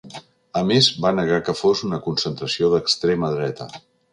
A més, va negar que fos una concentració d’extrema dreta.